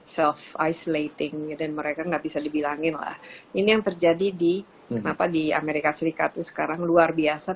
self isolating dan mereka nggak bisa dibilangin lah ini yang terjadi di kenapa di amerika serikat itu sekarang luar biasa